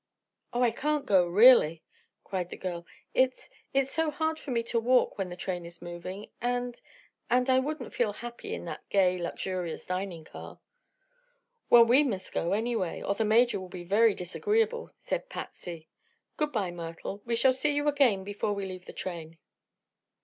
"Oh, I can't go, really!" cried the girl. "It's it's so hard for me to walk when the train is moving; and and I wouldn't feel happy in that gay, luxurious dining car." "Well, we must go, anyway, or the Major will be very disagreeable," said Patsy. "Good bye, Myrtle; we shall see you again before we leave the train."